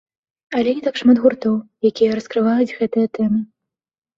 Але не так шмат гуртоў, якія раскрываюць гэтыя тэмы.